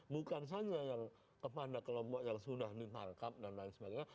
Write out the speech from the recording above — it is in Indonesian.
bukan saja yang kepada kelompok yang sudah ditangkap dan lain sebagainya